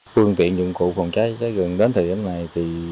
phương tiện dụng cụ phòng cháy chữa cháy rừng đến thời gian này